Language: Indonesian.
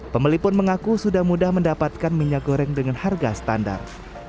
pembeli pun mengaku sudah mudah mendapatkan minyak goreng dengan harga standar